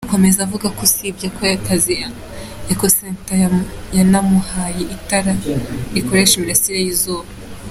Akomeza avuga ko usibye ako kazi, Ekocenter yanamuhaye itara rikoresha imirasire y’izuba.